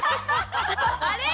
あれ？